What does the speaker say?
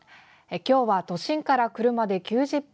今日は都心から車で９０分。